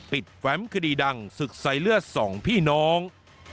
ปิดแฟมคดีดังศึกใส่เลือด๒พี่น้อง